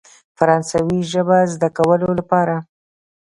فرانسوي ژبې زده کولو لپاره.